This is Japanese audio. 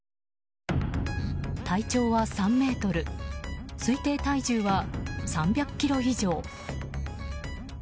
体長は３ｍ推定体重は３００ｋｇ以上。